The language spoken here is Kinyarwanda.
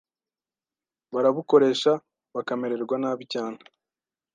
Barabukoresha bakamererwa nabi cyane